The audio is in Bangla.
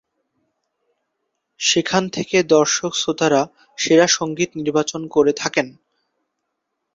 সেখান থেকে দর্শক-শ্রোতারা সেরা সঙ্গীত নির্বাচন করে থাকেন।